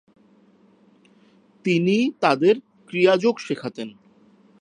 তিনি তাদের ক্রিয়াযোগ শেখাতেন।